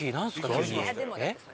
急に。